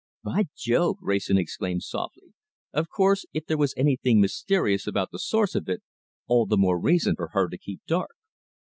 "By Jove!" Wrayson exclaimed softly. "Of course, if there was anything mysterious about the source of it, all the more reason for her to keep dark."